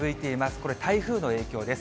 これ、台風の影響です。